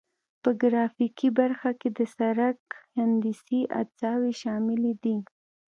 په ګرافیکي برخه کې د سرک هندسي اجزاوې شاملې دي